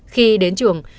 khi đến trường